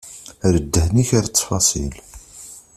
Err ddhen-ik ɣer ttfaṣil.